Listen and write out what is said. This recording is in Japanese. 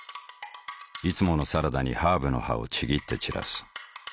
いつものサラダにハーブの葉をちぎって散らす。